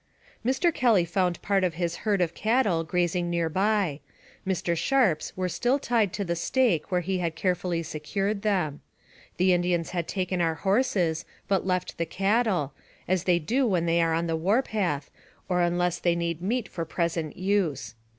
Mr. Kelly found part of his herd of cattle grazing near by ; Mr. Sharp's were still tied to the stake where he had carefully secured them. The Indians had taken our horses, but left the cattle, as they do when they are on the war path, or unless they need meat for present use.